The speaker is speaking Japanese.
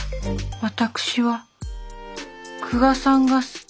私は久我さんが好き。